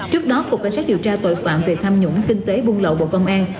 trước đó cục cảnh sát điều tra tội phạm về tham nhũng kinh tế buôn lậu bộ công an